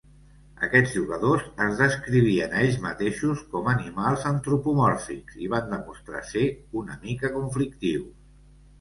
Aquests jugadors "es descrivien a ells mateixos com animals antropomòrfics" i van demostrar ser "una mica conflictius".